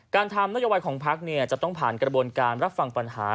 ทำนโยบายของพักจะต้องผ่านกระบวนการรับฟังปัญหา